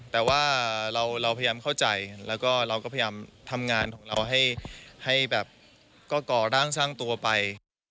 แต่ว่าเราพยายามเข้าใจแล้วก็เราก็พยายามทำงานของเราให้แบบก็ก่อร่างสร้างตัวไป